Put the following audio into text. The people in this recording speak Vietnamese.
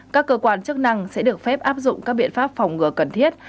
các cơ quan chức năng sẽ được phép áp dụng các biện pháp phòng ngừa cần thiết